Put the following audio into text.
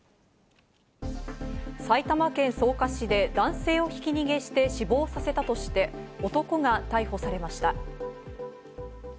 埼玉県草加市で男性をひき逃げして死亡させたとして、男が逮捕されました。